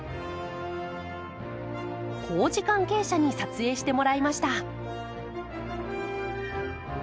工事関係者に撮影してもらいました。